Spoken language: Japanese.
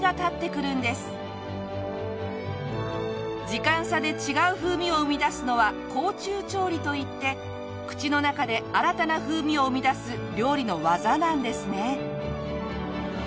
時間差で違う風味を生み出すのは口中調理といって口の中で新たな風味を生み出す料理の技なんですね。